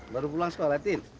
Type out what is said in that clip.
baru pulang sekolah tin